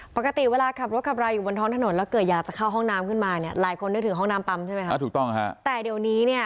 ปกติเวลาขับรถกับรายอยู่บนท้องถนนแล้วเกิดอยากจะเข้าห้องน้ำขึ้นมาเนี่ย